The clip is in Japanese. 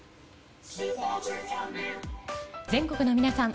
全国の皆さん。